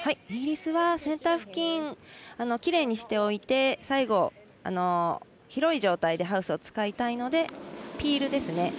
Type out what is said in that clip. イギリスはセンター付近をきれいにしておいて最後、広い状態でハウスを使いたいのでピールですね。